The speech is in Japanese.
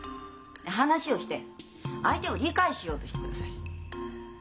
話をして相手を理解しようとしてください。